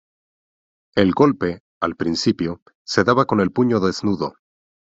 El golpe, al principio, se daba con el puño desnudo.